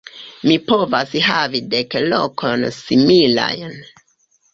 Mi povas havi dek lokojn similajn.